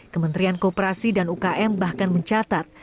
kementerian kooperasi dan ukm bahkan mencatat